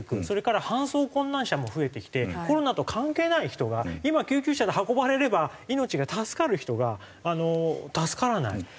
それから搬送困難者も増えてきてコロナと関係ない人が今救急車で運ばれれば命が助かる人が助からない。